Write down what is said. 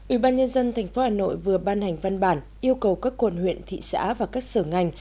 ủy ban nhân dân tp hà nội vừa ban hành văn bản yêu cầu các quần huyện thị xã và các sở ngành